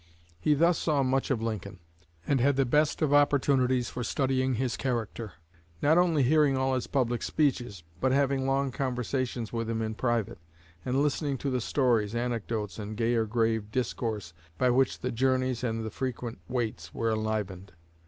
He thus saw much of Lincoln, and had the best of opportunities for studying his character; not only hearing all his public speeches, but having long conversations with him in private, and listening to the stories, anecdotes, and gay or grave discourse by which the journeys and the frequent "waits" were enlivened.